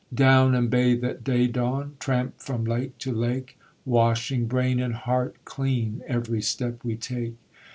Down, and bathe at day dawn, Tramp from lake to lake, Washing brain and heart clean Every step we take.